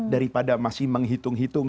daripada masih menghitung hitung